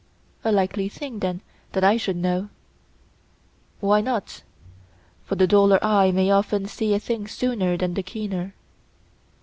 A likely thing, then, that I should know. Why not? for the duller eye may often see a thing sooner than the keener.